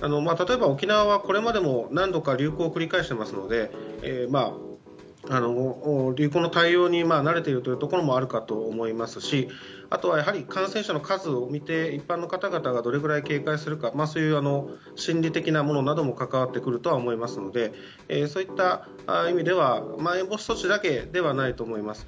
例えば、沖縄はこれまでも何度か流行を繰り返していますので流行の対応に慣れているところもあると思いますしあとは感染者の数を見て一般の方々がどれぐらい警戒するかそういう心理的なものなども関わってくると思いますのでそういった意味ではまん延防止措置だけではないと思います。